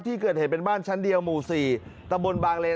ที่เกิดเหตุเป็นบ้านชั้นเดียวหมู่๔ตะบนบางเลน